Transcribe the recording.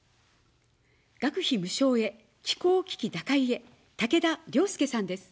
学費無償へ、気候危機打開へ、たけだ良介さんです。